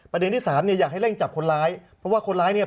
ที่สามเนี่ยอยากให้เร่งจับคนร้ายเพราะว่าคนร้ายเนี่ย